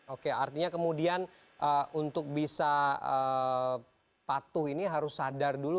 oke artinya kemudian untuk bisa patuh ini harus sadar dulu